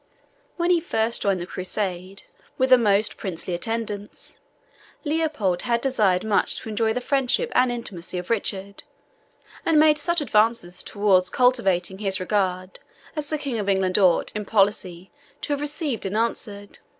When he first joined the Crusade, with a most princely attendance, Leopold had desired much to enjoy the friendship and intimacy of Richard, and had made such advances towards cultivating his regard as the King of England ought, in policy, to have received and answered.